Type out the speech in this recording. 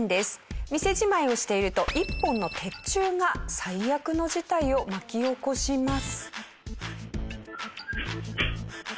店じまいをしていると１本の鉄柱が最悪の事態を巻き起こします。